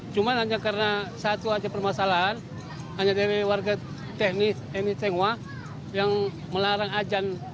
cuma hanya karena satu aja permasalahan hanya dari warga teknis emi cenghoa yang melarang ajan